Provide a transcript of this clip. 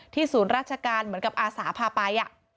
ศูนย์ราชการเหมือนกับอาสาพาไป